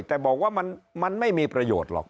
แต่บอกว่ามันไม่มีประโยชน์หรอก